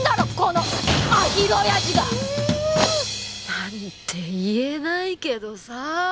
なんて言えないけどさ